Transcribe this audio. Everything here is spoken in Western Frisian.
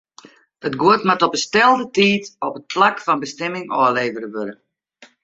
It guod moat op 'e stelde tiid op it plak fan bestimming ôflevere wurde.